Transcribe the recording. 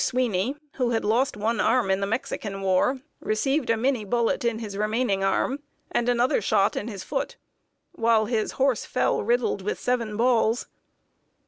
Sweeney, who had lost one arm in the Mexican War, received a Minié bullet in his remaining arm, and another shot in his foot, while his horse fell riddled with seven balls.